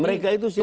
mereka itu siapa